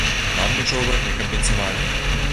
Нам нічога не кампенсавалі.